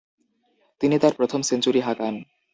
তিনি তার প্রথম সেঞ্চুরি হাঁকান।